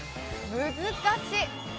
難しい！